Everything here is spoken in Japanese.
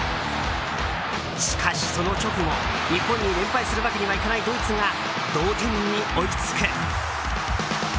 しかし、その直後日本に連敗するわけにはいかないドイツが同点に追いつく。